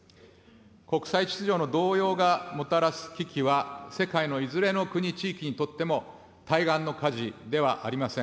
国際秩序の動揺がもたらす危機は、世界のいずれの国・地域にとっても、対岸の火事ではありません。